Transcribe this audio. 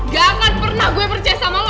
gak akan pernah gue percaya sama lo